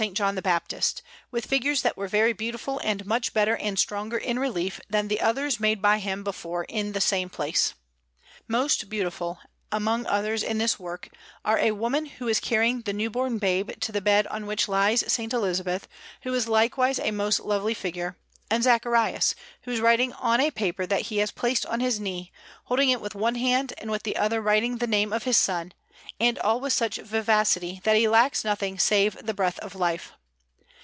John the Baptist, with figures that were very beautiful and much better and stronger in relief than the others made by him before in the same place. Most beautiful, among others in this work, are a woman who is carrying the newborn babe to the bed on which lies S. Elizabeth, who is likewise a most lovely figure, and Zacharias, who is writing on a paper that he has placed on his knee, holding it with one hand and with the other writing the name of his son, and all with such vivacity, that he lacks nothing save the breath of life.